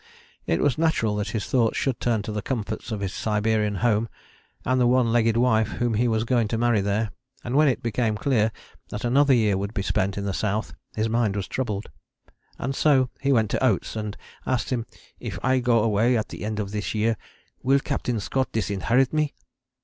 It was natural that his thoughts should turn to the comforts of his Siberian home, and the one legged wife whom he was going to marry there, and when it became clear that a another year would be spent in the South his mind was troubled. And so he went to Oates and asked him, "If I go away at the end of this year, will Captain Scott disinherit me?"